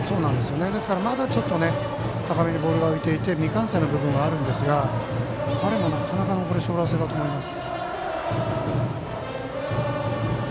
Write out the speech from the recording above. ですからまだちょっと高めにボールが浮いていて未完成な部分があるんですが彼もなかなかだと思います。